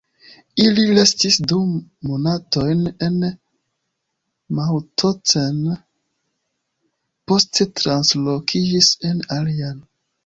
Ili restis du monatojn en Mauthausen, poste translokiĝis en alian.